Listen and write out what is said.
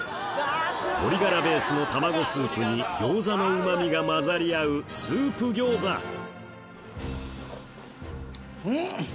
鶏ガラベースの卵スープに餃子のうまみが混ざり合うスープ餃子ん！